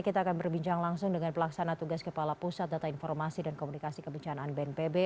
kita akan berbincang langsung dengan pelaksana tugas kepala pusat data informasi dan komunikasi kebencanaan bnpb